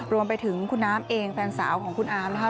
รวมไปถึงคุณน้ำเองแฟนสาวของคุณอามนะคะ